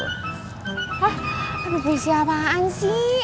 hah puiisi apaan sih